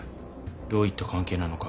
どういった関係なのか。